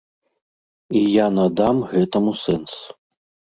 І я надам гэтаму сэнс.